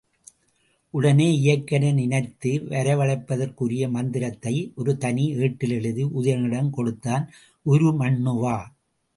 உடனே இயக்கனை நினைத்து வரவழைப்பதற்குரிய மந்திரத்தை ஒரு தனி ஏட்டில் எழுதி உதயணனிடம் கொடுத்தான் உருமண்ணுவா.